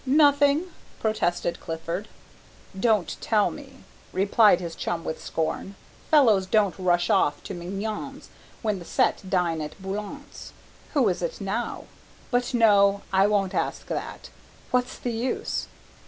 "Nothing," protested Clifford. "Don't tell me," replied his chum, with scorn; "fellows don't rush off to Mignon's when the set dine at Boulant's. Who is it now? but no, I won't ask that, what's the use!"